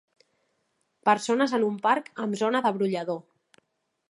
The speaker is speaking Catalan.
Persones en un parc amb zona de brollador